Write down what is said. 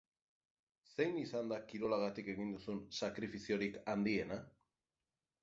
Zein izan da kirolagatik egin duzun sakrifiziorik handiena?